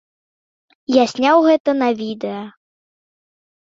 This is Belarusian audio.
Я зняў гэта на відэа.